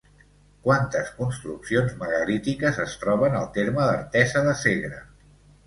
Quantes construccions megalítiques es troben al terme d'Artesa de Segre?